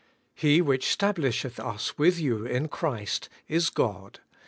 'He which stablisheth us with you in Christ, is God.